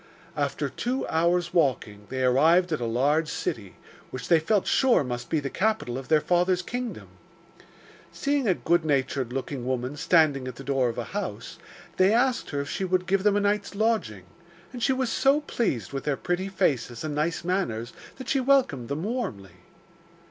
After two hours' walking, they arrived at a large city, which they felt sure must be the capital of their father's kingdom. Seeing a good natured looking woman standing at the door of a house, they asked her if she would give them a night's lodging, and she was so pleased with their pretty faces and nice manners that she welcomed them warmly.